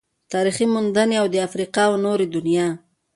تاريخي موندنې او د افريقا او نورې دنيا